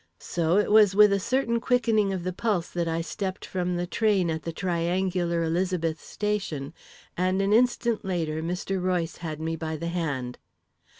So it was with a certain quickening of the pulse that I stepped from the train at the triangular Elizabeth station, and an instant later, Mr. Royce had me by the hand.